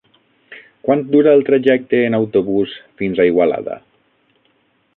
Quant dura el trajecte en autobús fins a Igualada?